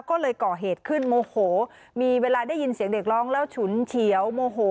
ก็เลยก่อเหตุขึ้นโมโหมีเวลาได้ยินเสียงเด็กร้องแล้วฉุนเฉียวโมโห